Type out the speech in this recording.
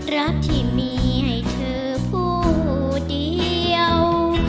รักที่มีให้เธอผู้เดียว